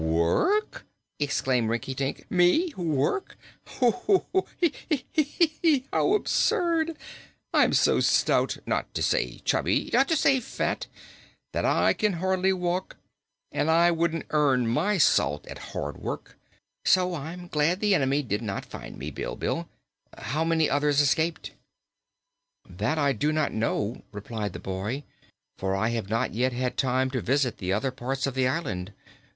"Work!" exclaimed Rinkitink. "Me work? Hoo, hoo, heek keek eek! How absurd! I'm so stout not to say chubby not to say fat that I can hardly walk, and I couldn't earn my salt at hard work. So I'm glad the enemy did not find me, Bilbil. How many others escaped?" "That I do not know," replied the boy, "for I have not yet had time to visit the other parts of the island.